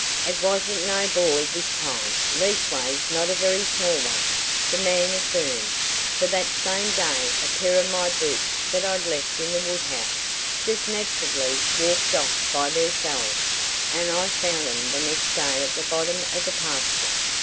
"It wasn't no boy this time leastways not a very small one," the man affirmed, "for that same day a pair o' my boots that I'd left in the wood house just naturally walked off by theirselves, an' I found 'em the next day at the bottom o' the pasture.